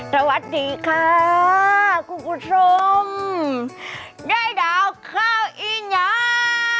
สวัสดีค่ะคุณผู้ชมย่ายดาวข่าวยัง